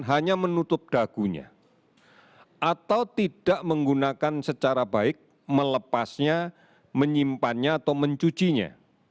hanya menutup dagunya atau tidak menggunakan secara baik melepasnya menyimpannya atau mencucinya